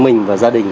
mình và gia đình